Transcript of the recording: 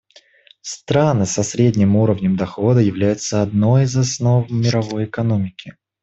Страны со средним уровнем дохода являются одной из основ мировой экономики.